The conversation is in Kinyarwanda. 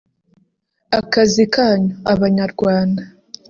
akazi kanyu [Abanyarwanda]